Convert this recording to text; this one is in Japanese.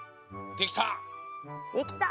できた！